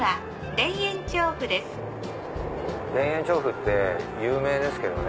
田園調布って有名ですけどね。